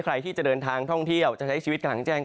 ใครที่จะเดินทางท่องเที่ยวจะใช้ชีวิตกลางแจ้ง